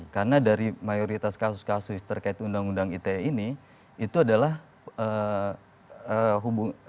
karena dari mayoritas kasus kasus terkait undang undang ite ini itu adalah hubungan